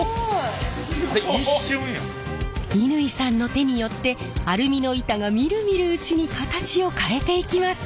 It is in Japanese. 乾さんの手によってアルミの板がみるみるうちに形を変えていきます！